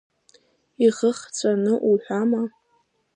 Ихы хҵәаны уҳәама?!